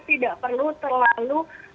tidak perlu terlalu